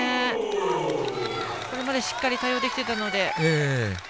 これまでしっかり対応できていたので。